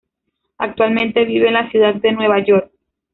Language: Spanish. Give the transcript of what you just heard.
Actualmente vive en la ciudad de Nueva York.